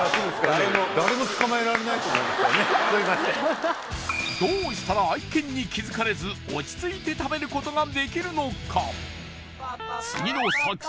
そういう感じでどうしたら愛犬に気づかれず落ち着いて食べることができるのか？